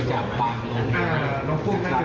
อาจจะมีการเรียกว่าระดูของน้ำ